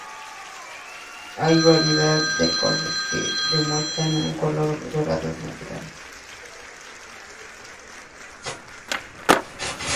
Hay variedades de seda que muestran un color dorado natural.